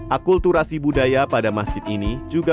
akulturasi budaya pada masjid ini juga